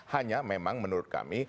hanya memang menurut kami